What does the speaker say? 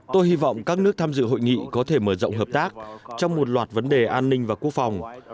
tôi hy vọng các nước tham dự hội nghị có thể mở rộng hợp tác trong một loạt vấn đề an ninh và quốc phòng